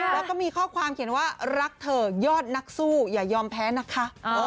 แล้วก็มีข้อความเขียนว่ารักเธอยอดนักสู้อย่ายอมแพ้นะคะ